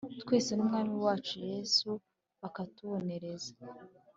Twese n umwami wacu yesu bakatubonereza